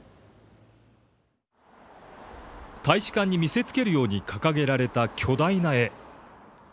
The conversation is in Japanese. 大使館に見せつけるように掲げられた巨大な絵。